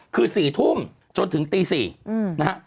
คือ๔ทุ่มจนถึงตี๔นะฮะ